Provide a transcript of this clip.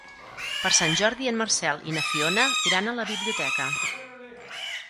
Per Sant Jordi en Marcel i na Fiona iran a la biblioteca.